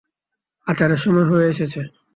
আচারের সময় হয়ে এসেছে।